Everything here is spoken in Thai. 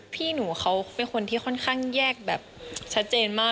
พี่หนูเขาเป็นคนที่ค่อนข้างแยกแบบชัดเจนมาก